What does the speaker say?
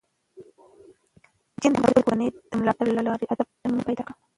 جین د خپلې کورنۍ د ملاتړ له لارې ادب ته مینه پیدا کړه.